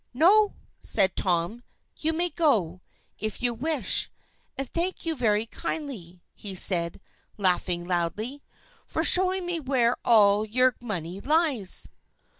"No," said Tom, "you may go, if you wish. And thank you very kindly," he said, laughing loudly, "for showing me where all your money lies!"